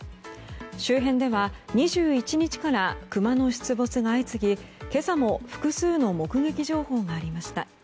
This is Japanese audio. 周辺では２１日からクマの出没が相次ぎ今朝も複数の目撃情報がありました。